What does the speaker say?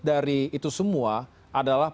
dari itu semua adalah